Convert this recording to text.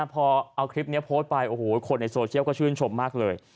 พอเอาคลิปนี้โพสต์ไปโอ้โหคนในโซเชียลก็ชื่นชมมากเลย